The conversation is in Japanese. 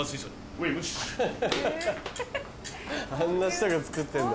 あんな人が作ってんだ。